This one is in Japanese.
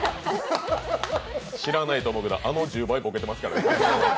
知らないと思うけどあの１０倍ボケてますからね。